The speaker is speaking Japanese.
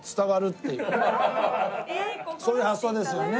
そういう発想ですよね